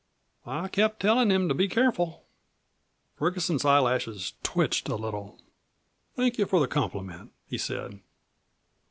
I kept tellin' him to be careful." Ferguson's eyelashes twitched a little. "Thank you for the compliment," he said.